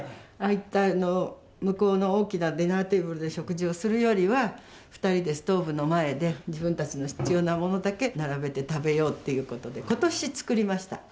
あいった向こうの大きなディナーテーブルで食事をするよりは２人でストーブの前で自分たちの必要なものだけ並べて食べようっていうことで今年作りました。